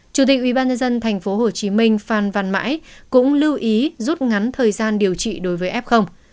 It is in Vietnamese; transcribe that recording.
chủ tịch ubnd tp hcm phan văn mãi cũng lưu ý rút ngắn thời gian điều trị đối với f